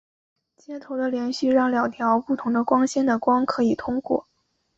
接头的接续让两条不同的光纤的光可以通过。